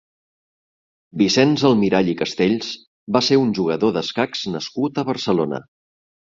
Vicenç Almirall i Castells va ser un jugador d'escacs nascut a Barcelona.